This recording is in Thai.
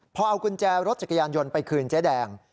พอเอากุญแจรถจักรยานยนต์ไปคืนเจ๊แดง